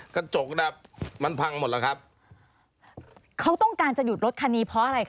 กระจกน่ะมันพังหมดแล้วครับเขาต้องการจะหยุดรถคันนี้เพราะอะไรค